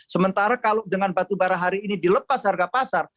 sementara kalau dengan batu bara hari ini dilepas harga pasar